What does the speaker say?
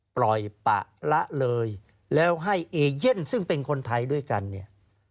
ปล่อยปะละเลยแล้วให้เอเย่นซึ่งเป็นคนไทยด้วยกันเนี่ย